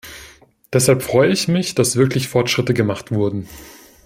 Deshalb freue ich mich, dass wirklich Fortschritte gemacht wurden.